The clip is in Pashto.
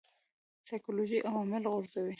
سایکولوژیکي عوامل غورځوي.